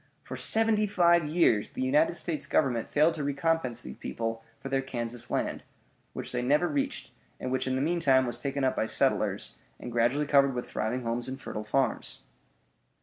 For seventy five years the United States Government failed to recompense these people for their Kansas land, which they never reached, and which in the meantime was taken up by settlers, and gradually covered with thriving homes and fertile farms.